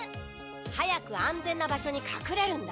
早く安全な場所にかくれるんだ。